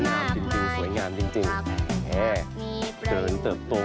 ยาวันกับภาระหนักเพราะการปลูกผักมีประโยชน์มากมาย